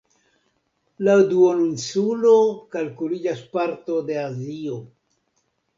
La duoninsulo kalkuliĝas parto de Azio.